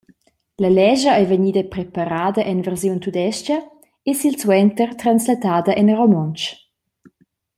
La lescha ei vegnida preparada en versiun tudestga e silsuenter translatada en romontsch.